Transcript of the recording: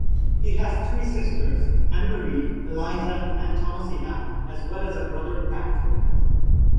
He has three sisters, Anne-Marie, Eliza and Thomasina, as well as a brother Patrick.